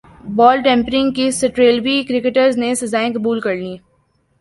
بال tampering case سٹریلوی cricketers نے سزائیں قبول کر لیں